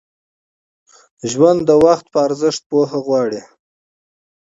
ژوند د وخت په ارزښت پوهه غواړي.